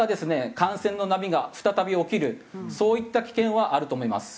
感染の波が再び起きるそういった危険はあると思います。